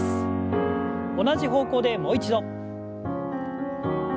同じ方向でもう一度。